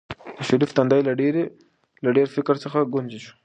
د شریف تندی له ډېر فکر څخه ګونځې شو.